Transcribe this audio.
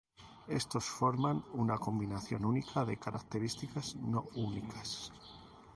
Estos forman una combinación única de características no únicas.